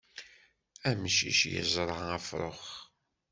Amcic yeẓṛa afṛux.